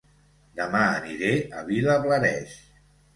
Dema aniré a Vilablareix